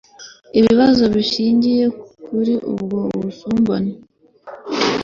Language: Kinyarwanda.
ibibazo bishingiye kuri ubwo busumbane